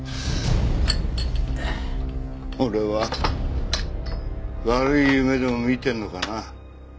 俺は悪い夢でも見てるのかな。